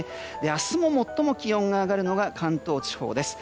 明日も最も気温が上がるのが関東地方です。